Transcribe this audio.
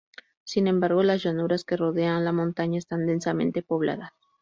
Sin embargo, las llanuras que rodean la montaña están densamente pobladas.